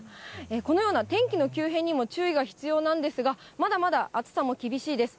このような天気の急変にも注意が必要なんですが、まだまだ暑さも厳しいです。